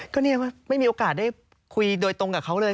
ก็เนี่ยไม่มีโอกาสได้คุยโดยตรงกับเขาเลย